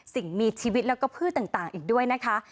สิ่งมีชีวิตแล้วก็พืชต่างอีกด้วยนะคะ